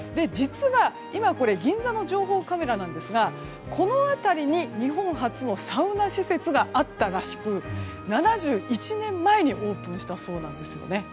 実は銀座の情報カメラなんですがこの辺りに日本初のサウナ施設があったらしく７１年前にオープンしたそうなんですよね。